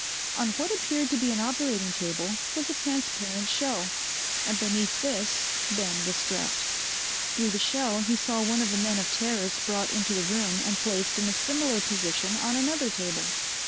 On what appeared to be an operating table was a transparent shell, and beneath this Ben was strapped. Through the shell he saw one of the men of Teris brought into the room and placed in a similar position on another table.